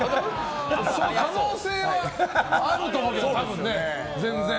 その可能性はあると思うけど多分ね、全然。